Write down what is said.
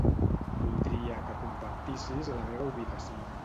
Voldria que compartissis la meva ubicació.